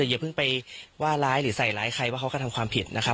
อย่าเพิ่งไปว่าร้ายหรือใส่ร้ายใครว่าเขาก็ทำความผิดนะครับ